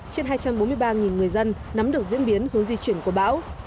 trên hai trăm bốn mươi ba người dân nắm được diễn biến hướng di chuyển của bão